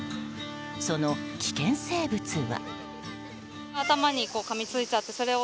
その危険生物は。